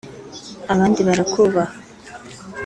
‘abandi barakubaha